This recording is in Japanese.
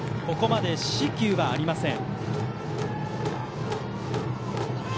ここまで四死球はありません。